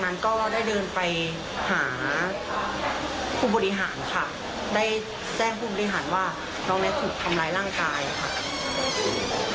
ทางผู้บริหารก็ให้ไปเรียกผู้จัดการมาอย่างเนี้ยค่ะ